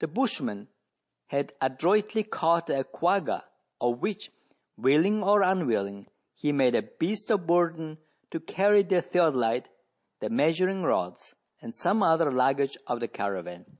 The bushman had adroitly caught a quagga, of which, willing or unwilling, he made a beast of burden to carry the theodo lite, the measuring rods, and some other luggage of the caravan.